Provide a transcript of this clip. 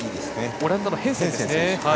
オランダのヘンセンですね。